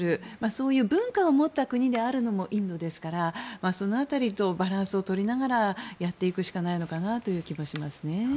そういう文化を持った国であるのもインドですからその辺りとバランスを取りながらやっていくしかないのかなという気もします。